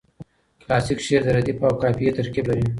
کلاسیک شعر د ردیف او قافیه ترکیب لري.